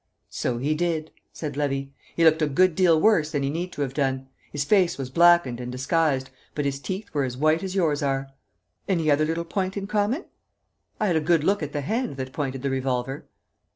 "So he did," said Levy; "he looked a good deal worse than he need to have done. His face was blackened and disguised, but his teeth were as white as yours are." "Any other little point in common?" "I had a good look at the hand that pointed the revolver."